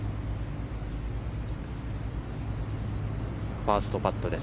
ファーストパットです。